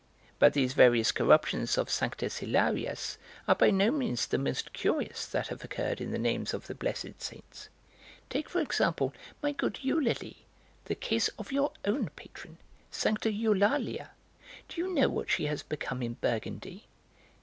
But these various corruptions of Sanctus Hilarius are by no means the most curious that have occurred in the names of the blessed Saints. Take, for example, my good Eulalie, the case of your own patron, Sancta Eulalia; do you know what she has become in Burgundy?